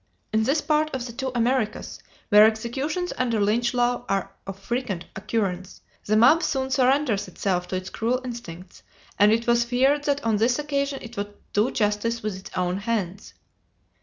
In this part of the two Americas, where executions under Lynch law are of frequent occurrence, the mob soon surrenders itself to its cruel instincts, and it was feared that on this occasion it would do justice with its own hands.